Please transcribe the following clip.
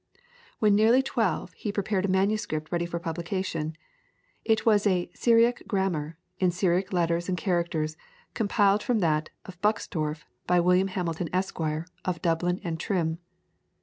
When nearly twelve he prepared a manuscript ready for publication. It was a "Syriac Grammar," in Syriac letters and characters compiled from that of Buxtorf, by William Hamilton, Esq., of Dublin and Trim.